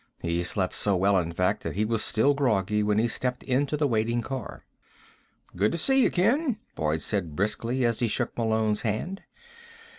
He slept so well, in fact, that he was still groggy when he stepped into the waiting car. "Good to see you, Ken," Boyd said briskly, as he shook Malone's hand.